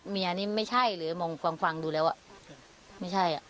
เมียนี่ไม่ใช่หรือมองฟังฟังดูแล้วอ่ะไม่ใช่อ่ะ